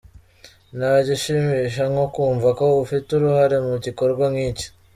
Nta gishimisha nko kumva ko ufite uruhare mu gikorwa nk’iki.